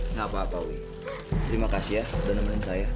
nggak apa apa ui terima kasih ya udah nemenin saya